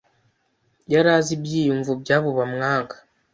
Yari azi ibyiyumvo byabo bamwanga.